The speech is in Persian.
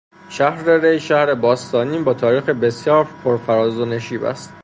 شهر ری شهری باستانی با تاریخ بسیار پرفراز و نشیب است.